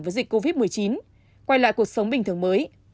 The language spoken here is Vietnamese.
với dịch covid một mươi chín quay lại cuộc sống bình thường mới